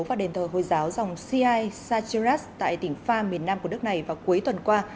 và đền thờ hồi giáo dòng siay sachiraz tại tỉnh pham miền nam của đất này vào cuối tuần qua